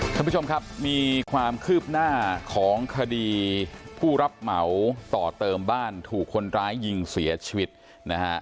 ท่านผู้ชมครับมีความคืบหน้าของคดีผู้รับเหมาต่อเติมบ้านถูกคนร้ายยิงเสียชีวิตนะฮะ